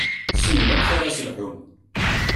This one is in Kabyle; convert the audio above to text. Ssnen amek ara s-lḥun.